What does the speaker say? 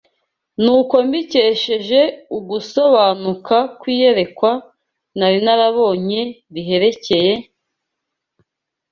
nuko mbikesheje ugusobanuka kw’iyerekwa nari narabonye riherekeye